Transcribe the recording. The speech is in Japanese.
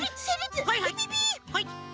はい！